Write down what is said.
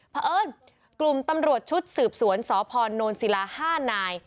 เพราะเอิญกลุ่มตำรวจชุดสืบสวนสพนศิลา๕นาย